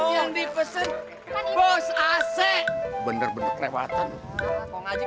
yang dipesan bos ac bener bener kerewatan